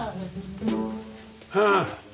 はあ。